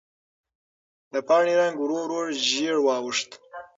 د پاڼې رنګ ورو ورو ژېړ واوښت.